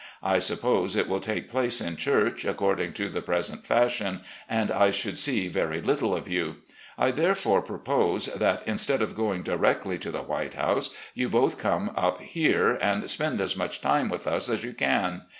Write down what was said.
I suppose it will take place in church, according to the pres ent fashion, and I should see very little of you. I there AN ADVISER OF YOUNG MEN 285 fore propose that, instead of going directly to the White House, you both come up here, and spend as much time with us as you can.